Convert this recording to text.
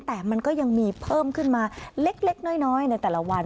แต่มันก็ยังมีเพิ่มขึ้นมาเล็กน้อยในแต่ละวัน